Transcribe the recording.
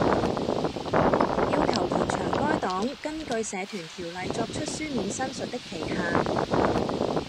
要求延長該黨根據《社團條例》作出書面申述的期限